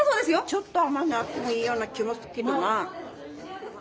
ちょっと甘みあってもいいような気もすっけどな。